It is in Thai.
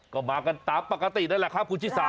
ก็มากันตามปกตินั่นแหละครับคุณชิสา